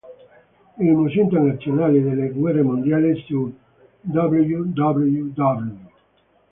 Il Museo internazionale delle guerre mondiali su www.